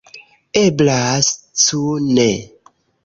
Eblas, cu ne!